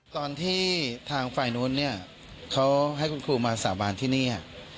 ตอนที่ทางฝ่ายนู้นเนี่ยเขาให้คุณครูมาสาบานที่นี่